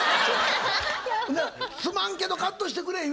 「すまんけどカットしてくれへん」